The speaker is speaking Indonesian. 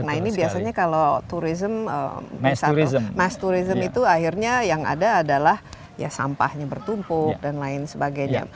nah ini biasanya kalau mass tourism itu akhirnya yang ada adalah ya sampahnya bertumpuk dan lain sebagainya